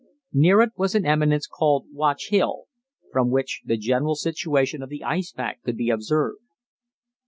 Near it was an eminence called Watch Hill, from which the general situation of the ice pack could be observed.